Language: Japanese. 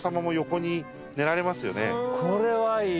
これはいい。